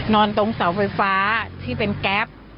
นอนตรงเสาไฟฟ้าที่เป็นแก๊ป